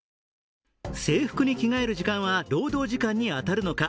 制服に着替える時間は労働時間に当たるのか？